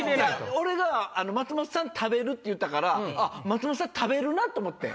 俺が「食べる」って言ったから松本さん食べるよな！と思って。